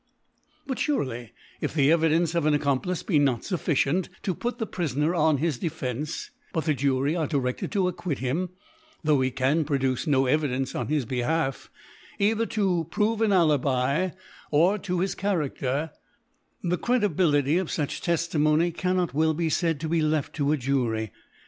But furely, if the Evidence of an Ac complice be not fuflScient to put thePrifoner on his Defence, but the Jury are direfted to acquit him, though he can pfoduce no Evi dence on his Bthalf, either to prove an jiU^ bi^ or to his Charafter, the Credibility of fuch Teftimony cannot well be faid to be kft to a Jury.